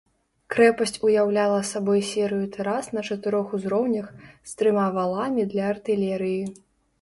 Крэпасць уяўляла сабой серыю тэрас на чатырох узроўнях, з трыма валамі для артылерыі.